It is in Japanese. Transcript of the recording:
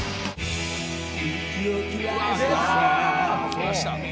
「きました」